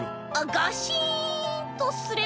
ガシンとすれば。